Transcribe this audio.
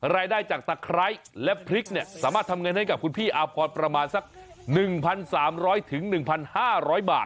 รายได้จากตะไคร้และพริกเนี่ยสามารถทำเงินให้กับคุณพี่อาพรประมาณสัก๑๓๐๐๑๕๐๐บาท